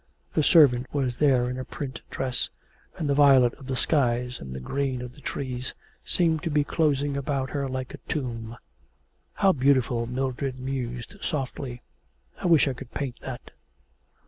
A servant was there in a print dress, and the violet of the skies and the green of the trees seemed to be closing about her like a tomb. 'How beautiful!' Mildred mused softly; 'I wish I could paint that.'